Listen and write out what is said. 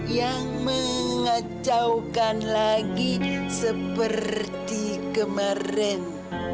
yang mengacaukan lagi seperti kemarin